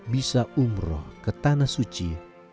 bisa umroh ke tanah suci